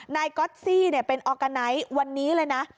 นายก๊อตซี่เนี่ยเป็นออกาไนท์วันนี้เลยนะ